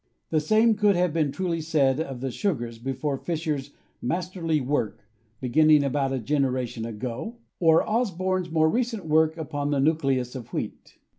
The same could have been truly said of the sugars before Fischer's masterly work, beginning about a genera tion ago, or Osborne's more recent work upon the nucleins of wheat.